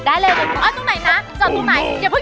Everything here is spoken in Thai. อ้าวตูไหนนะจอตูไหน